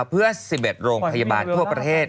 เพื่อสิบเอ็ดโรงพยาบาลทั่วประเภท